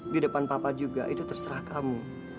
di depan papa juga itu terserah kamu